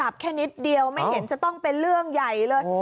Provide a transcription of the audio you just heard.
แค่นิดเดียวไม่เห็นจะต้องเป็นเรื่องใหญ่เลย